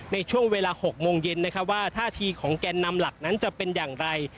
ในช่วงเวลา๖โมงเย็นนะครับว่าท่าทีของแกนนำหลักนั้นจะเป็นอย่างไร